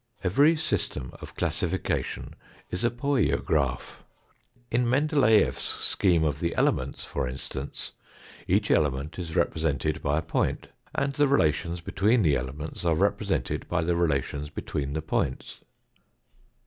Every system of classification is a poiograph. In Mendeleeff's scheme of the elements, for instance, each element is represented by a point, and the relations between the elements are represented by the relations between the points.